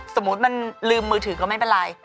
สมมุติมันลืมมือถือก็ไม่เป็นไร